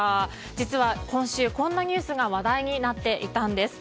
実は、今週こんなニュースが話題になっていたんです。